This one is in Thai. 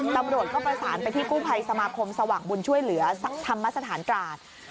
ตำรวจก็ประสานไปที่กู้ภัยสมาคมสว่างบุญช่วยเหลือธรรมสถานตราด